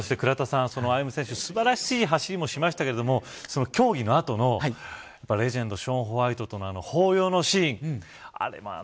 そして倉田さん歩夢選手、素晴らしい走りもしましたけれども競技の後のレジェンドショーン・ホワイトとの抱擁のシーン。